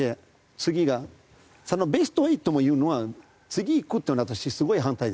次がそのベスト８を言うのは次いくっていうのは私すごい反対です。